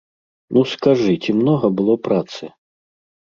Ну, скажы, ці многа было працы?